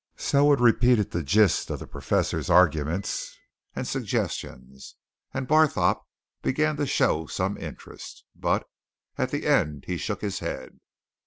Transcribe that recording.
Selwood repeated the gist of the Professor's arguments and suggestions, and Barthorpe began to show some interest. But at the end he shook his head.